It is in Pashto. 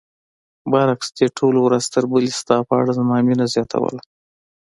برعکس دې ټولو ورځ تر بلې ستا په اړه زما مینه زیاتوله.